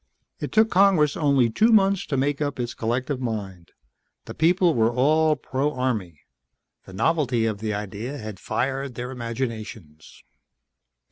It took Congress only two months to make up its collective mind. The people were all pro Army. The novelty of the idea had fired their imaginations.